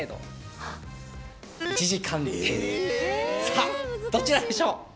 さあどちらでしょう？